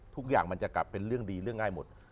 ทุกอย่างมันจะกลับเป็นเรื่องดีเรื่องง่ายหมด